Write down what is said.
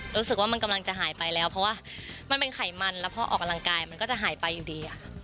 รู้สึกว่ามันกำลังจะหายไปแล้วเพราะว่ามันเป็นไขมันแล้วพอออกกำลังกายมันก็จะหายไปอยู่ดี